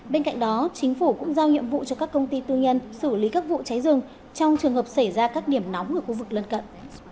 bên cạnh đó chính phủ cũng giao nhiệm vụ cho các công ty tư nhân xử lý các vụ cháy rừng trong trường hợp xảy ra các điểm nóng ở khu vực lân cận